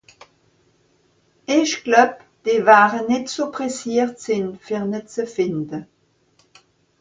Ìch gläub, die wäre nìtt so presseert sìn, fer ne ze fìnde.